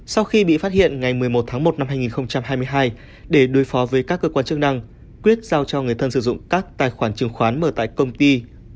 sau khi bị phát hiện ngày một mươi một tháng một năm hai nghìn hai mươi hai để đối phó với các cơ quan chức năng quyết giao cho người thân sử dụng các tài khoản trường khoán mở tại công ty